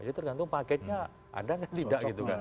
jadi tergantung paketnya ada kan tidak gitu